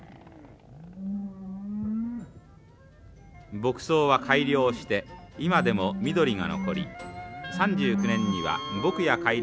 牧草は改良して今でも緑が残り３９年には牧野改良